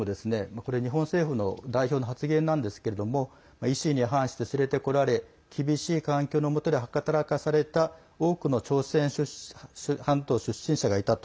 これ、日本政府の代表の発言なんですけれども意思に反して連れてこられ厳しい環境の下で働かされた多くの朝鮮半島出身者がいたと。